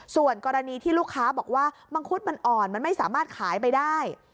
ส่วนกรณีที่ลูกค้าบอกว่ามังคุดมันอ่อนมันไม่สามารถขายไปได้